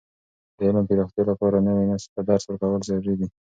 د علم د پراختیا لپاره، نوي نسل ته درس ورکول ضروري دي.